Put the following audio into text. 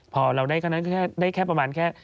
พอเราได้แค่ประมาณแค่